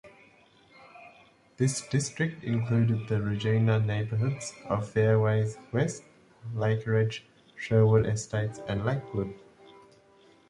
This district included the Regina neighbourhoods of Fairways West, Lakeridge, Sherwood Estates and Lakewood.